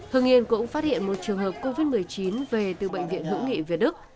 hương yên cũng phát hiện một trường hợp covid một mươi chín về từ bệnh viện hữu nghị việt đức